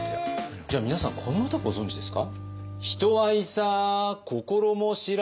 じゃあ皆さんこの歌ご存じですか？